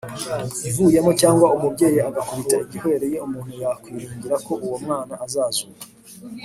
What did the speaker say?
ivuyemo cyangwa umubyeyi agakubita igihwereye umuntu yakwiringira ko uwo mwana azazuka